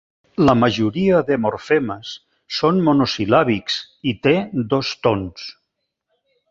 La majoria de morfemes són monosil·làbics i té dos tons.